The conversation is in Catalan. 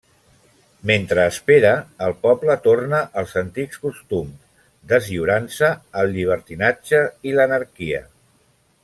Mentre espera, el poble torna als antics costums, deslliurant-se al llibertinatge i l'anarquia.